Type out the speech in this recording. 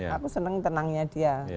aku senang tenangnya dia